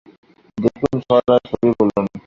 দেখুন, সরাসরি বলুন।